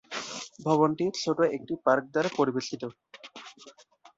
ভবনটি ছোট একটি পার্ক দ্বারা পরিবেষ্টিত।